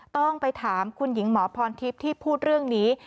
ต้องไปถามคุณหญิงหมอพรทิพย์ที่พูดเรื่องนี้